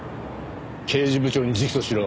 刑事部長に直訴しろ。